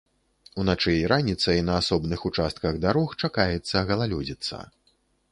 Уначы і раніцай на асобных участках дарог чакаецца галалёдзіца.